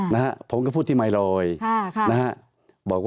ตั้งแต่เริ่มมีเรื่องแล้ว